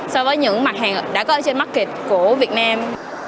so với những mặt hàng đã có ở trên market của việt nam